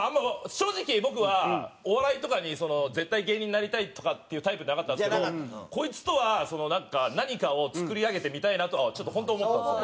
正直僕はお笑いとかに絶対芸人なりたいとかっていうタイプじゃなかったんですけどこいつとはなんか何かを作り上げてみたいなとはちょっと本当に思ったんですよ。